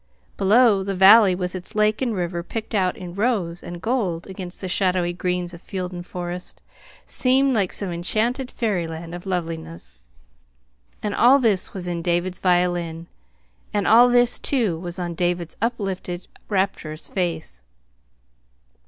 Below, the valley with its lake and river picked out in rose and gold against the shadowy greens of field and forest, seemed like some enchanted fairyland of loveliness. And all this was in David's violin, and all this, too, was on David's uplifted, rapturous face.